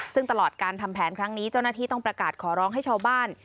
ซึ่งตลอดการทำแผนครั้งนี้เจ้าหน้าที่ต้องประกาศขอร้องให้ชาวบ้าน